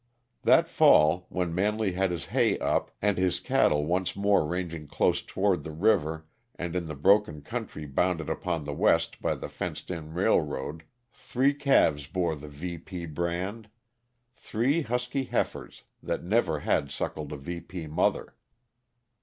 That fall, when Manley had his hay up, and his cattle once more ranging close, toward the river and in the broken country bounded upon the west by the fenced in railroad, three calves bore the VP brand three husky heifers that never had suckled a VP mother.